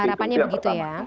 harapannya begitu ya